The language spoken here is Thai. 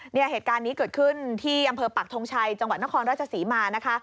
เหตุการณ์นี้เกิดขึ้นที่อำเภอปักทงชัยจังหวัดนครราชศรีมานะคะ